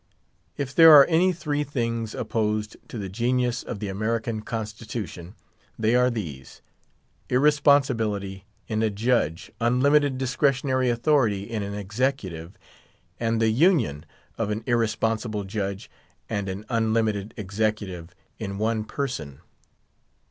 If there are any three things opposed to the genius of the American Constitution, they are these: irresponsibility in a judge, unlimited discretionary authority in an executive, and the union of an irresponsible judge and an unlimited executive in one person.